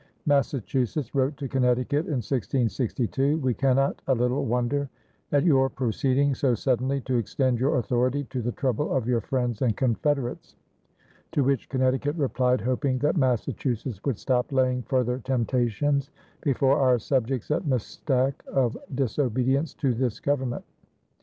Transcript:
Massachusetts wrote to Connecticut in 1662, "We cannot a little wonder at your proceeding so suddenly to extend your authority to the trouble of your friends and confederates"; to which Connecticut replied, hoping that Massachusetts would stop laying further temptations before "our subjects at Mistack of disobedience to this government."